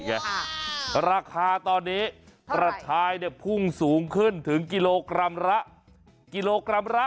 ค่ะราคาตอนนี้ระชายพุ่งสูงขึ้นถึงกิโลกรัมละ๒๐๐บาท